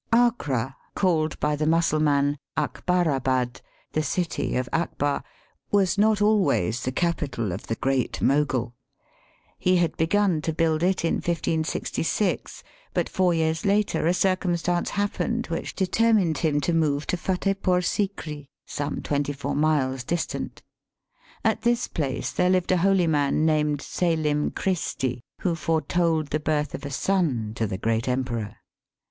Agra, called by the Mussulman Akbarabad, the City of Akbar, was not always the capital of the Great Mogul. He had begun to build it in 1566, but four years later a circumstance happened which determined him to move to to Futtehpore Sikri, some twenty four miles distant. At this place there lived a holy man named Selim Christi, who foretold the birth of a son to the great Emperor.